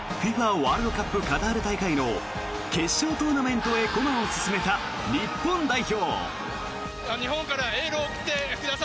ワールドカップカタール大会の決勝トーナメントへ駒を進めた日本代表。